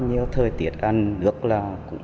nhưng thời tiết nước là